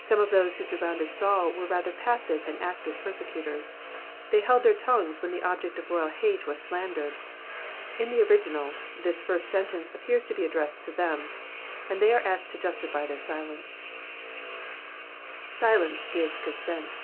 Some of those who surrounded Saul were rather pasrire than active persecutors ; they held their tongues when the object of royal hate was slandered ; in the original, this first sentence appears to be addressed to them, and they are asked to justify their silence, ^lence gives consent.